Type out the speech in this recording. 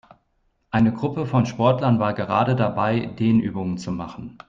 Eine Gruppe von Sportlern war gerade dabei, Dehnübungen zu machen.